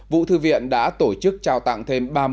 vụ thư viện đã tổ chức trao tặng thêm